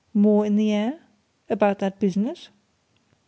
"More in the air? About that business?"